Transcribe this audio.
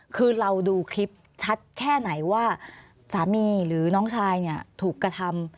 คือเราดูคลิปชัดแค่ไหนว่าสามีหรือน้องชายเนี่ยถูกกระทำ